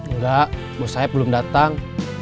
enggak ibu saya belum datang